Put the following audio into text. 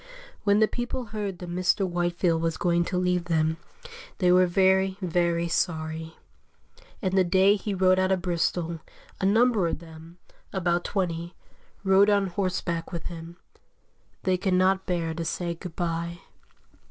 When the people heard that Mr. Whitefield was going to leave them, they were very, very sorry; and the day he rode out of Bristol, a number of them, about twenty, rode on horseback with him, they could not bear to say "good bye."